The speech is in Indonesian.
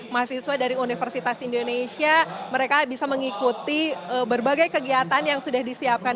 mahasiswa dari universitas indonesia mereka bisa mengikuti berbagai kegiatan yang sudah disiapkan